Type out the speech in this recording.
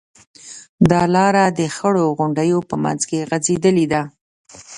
دا لاره د خړو غونډیو په منځ کې غځېدلې ده.